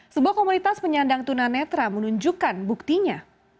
sebuah komunitas penyandang tuna netra menunjukkan buktinya